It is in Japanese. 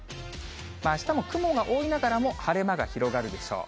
あしたも雲が多いながらも、晴れ間が広がるでしょう。